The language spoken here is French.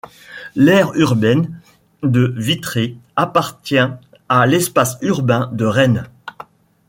L’aire urbaine de Vitré appartient à l’espace urbain de Rennes.